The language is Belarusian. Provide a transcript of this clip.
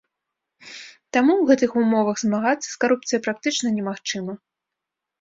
Таму ў гэтых умовах змагацца з карупцыяй практычна немагчыма.